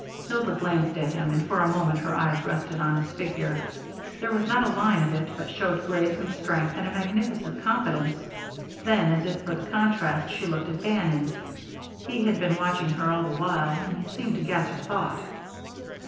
Hilda glanced at him, and for a moment her eyes rested on his figure. There was not a line of it but showed grace and strength and a magnificent confidence. Then, as if for the contrast, she looked at Bannon. He had been watching her all the while, and he seemed to guess her thought.